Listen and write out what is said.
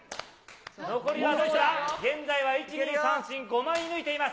残りが、現在は１、２、３、４、５枚抜いています。